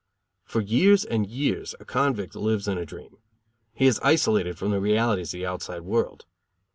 For years and years a convict lives in a dream. He is isolated from the realities of the outside world.